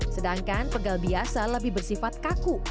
sedangkan pegal biasa lebih bersifat kaku